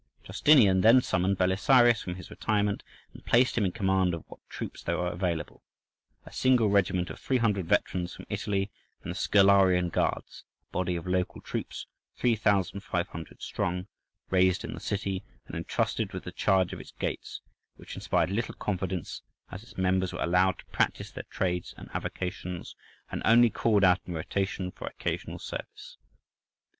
Justinian then summoned Belisarius from his retirement, and placed him in command of what troops there were available—a single regiment of 300 veterans from Italy, and the "Scholarian guards," a body of local troops 3,500 strong, raised in the city and entrusted with the charge of its gates, which inspired little confidence as its members were allowed to practice their trades and avocations and only called out in rotation for occasional service.